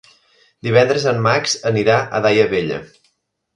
Divendres en Max anirà a Daia Vella.